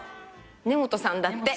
根本さんだって。